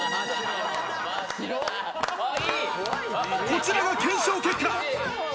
こちらが検証結果。